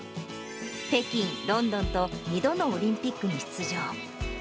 北京、ロンドンと２度のオリンピックに出場。